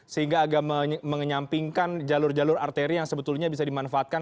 sehingga agak mengenyampingkan jalur jalur arteri yang sebetulnya bisa dimanfaatkan